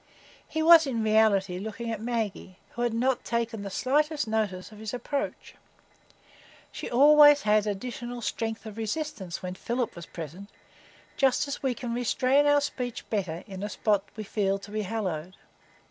He was in reality looking at Maggie who had not taken the slightest notice of his approach. She had always additional strength of resistance when Philip was present, just as we can restrain our speech better in a spot that we feel to be hallowed.